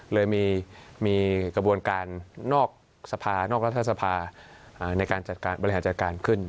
เลยมีกระบวนการนอกสภานอกรัฐสภาในการบริหารจัดการขึ้น